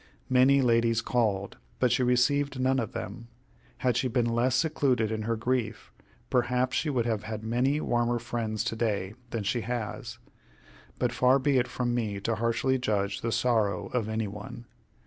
Many ladies called, but she received none of them. Had she been less secluded in her grief, perhaps she would have had many warmer friends to day than she has. But far be it from me to harshly judge the sorrow of any one.